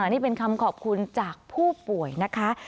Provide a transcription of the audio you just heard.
นี่เป็นคำขอบคุณจากผู้ป่วยนะคะ